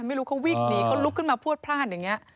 ไม่รู้เขาวิ่งหนีเขาลุกขึ้นมาพวดพลาดอย่างนี้